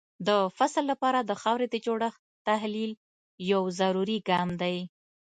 د فصل لپاره د خاورې د جوړښت تحلیل یو ضروري ګام دی.